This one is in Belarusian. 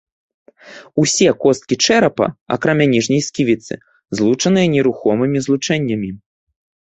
Усе косткі чэрапа, акрамя ніжняй сківіцы, злучаныя нерухомымі злучэннямі.